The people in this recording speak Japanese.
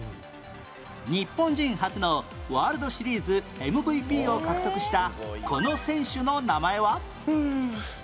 日本人初のワールドシリーズ ＭＶＰ を獲得したこの選手の名前は？